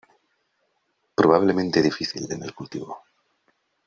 Probablemente "difícil" en el cultivo.